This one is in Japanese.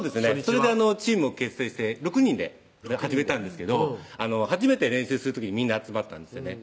それでチームを結成して６人で始めたんですけど初めて練習する時にみんな集まったんですよね